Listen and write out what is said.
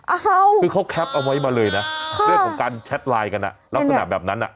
โอ้โหคือเขาแคปเอาไว้มาเลยนะเรื่องของการแชทไลน์กันอ่ะลักษณะแบบนั้นอ่ะ